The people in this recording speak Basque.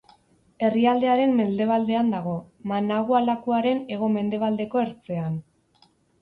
Herrialderen mendebaldean dago, Managua lakuaren hego-mendebaldeko ertzean.